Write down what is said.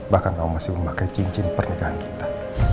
bahkan allah masih memakai cincin pernikahan kita